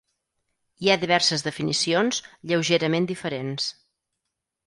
Hi ha diverses definicions lleugerament diferents.